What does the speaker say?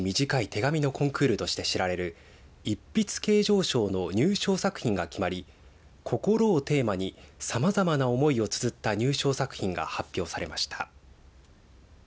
短い手紙のコンクールとして知られる一筆啓上賞の入賞作品が決まりこころをテーマにさまざまな思いをつづった入賞作品が発表されました。